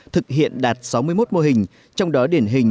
thực hiện đạt sáu mươi một mô hình